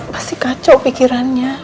pasti kacau pikirannya